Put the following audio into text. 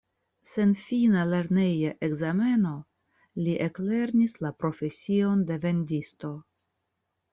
Sen fina lerneja ekzameno li eklernis la profesion de vendisto.